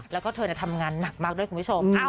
แล้วก็เธอทำงานหนักมากด้วยคุณผู้ชม